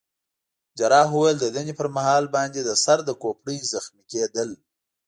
جراح وویل: د دندې پر مهال باندي د سر د کوپړۍ زخمي کېدل.